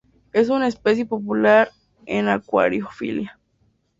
Es una especie popular en acuariofilia.